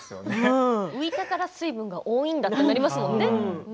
浮いたから水分が多いんだなってなりますものね。